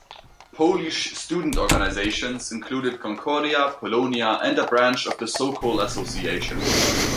Polish student organizations included Concordia, Polonia, and a branch of the Sokol association.